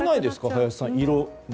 林さん、色も。